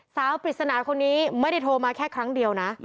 ปริศนาคนนี้ไม่ได้โทรมาแค่ครั้งเดียวนะ